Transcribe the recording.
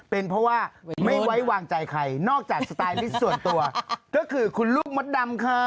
เป็นเพราะว่าไม่ไว้วางใจใครนอกจากสไตลิสต์ส่วนตัวก็คือคุณลูกมดดำค่ะ